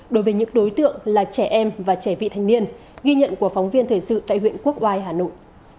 đối với những đối tượng là trẻ em và trẻ vị thành niên ghi nhận của phóng viên thời sự tại huyện quốc oai hà nội